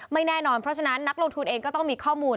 ไม่แน่นอนเพราะฉะนั้นนักลงทุนเองก็ต้องมีข้อมูล